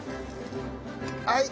はい。